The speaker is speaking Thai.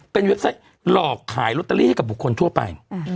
เป็นเว็บไซต์หลอกขายลอตเตอรี่ให้กับบุคคลทั่วไป